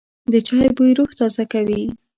د چای بوی روح تازه کوي.